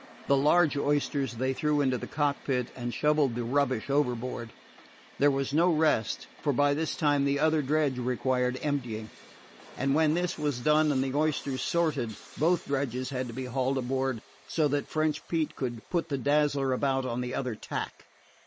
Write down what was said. The large oysters they threw into the cockpit, and shoveled the rubbish overboard. There was no rest, for by this time the other dredge required emptying. And when this was done and the oysters sorted, both dredges had to be hauled aboard, so that French Pete could put the Dazzler about on the other tack.